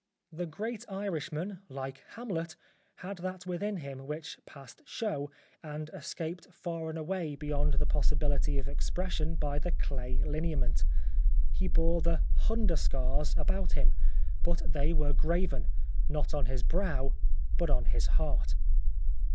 The great Irishman, like Hamlet, had that within him, which passed show, and escaped far and away beyond the possibility of expression by the clay lineament. He bore the " hunderscars " about him, but they were graven, not on his brow, but on his heart.